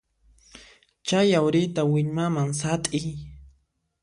Chay yawrita willmaman sat'iy.